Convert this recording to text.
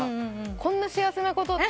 こんな幸せなことって。